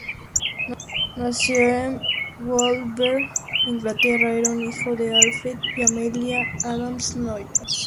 Nacido en Wolverhampton, Inglaterra, era hijo de Alfred y Amelia Adams Noyes.